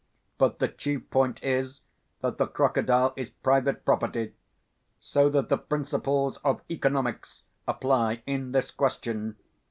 But the chief point is that the crocodile is private property, so that the principles of economics apply in this question.